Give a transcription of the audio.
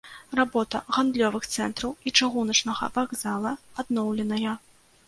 Работа гандлёвых цэнтраў і чыгуначнага вакзала адноўленая.